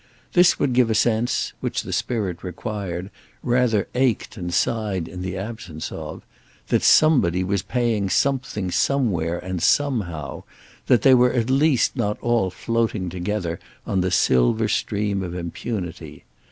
This would give a sense—which the spirit required, rather ached and sighed in the absence of—that somebody was paying something somewhere and somehow, that they were at least not all floating together on the silver stream of impunity.